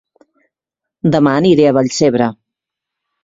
Dema aniré a Vallcebre